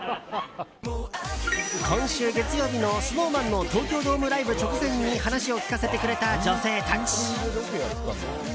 今週月曜日のＳｎｏｗＭａｎの東京ドームライブ直前に話を聞かせてくれた女性たち。